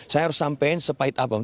sampaikan sepahit abang